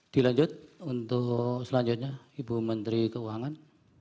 dilanjut untuk selanjutnya ibu menteri keuangan